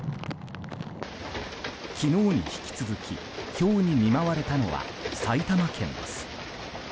昨日に引き続き、ひょうに見舞われたのは埼玉県です。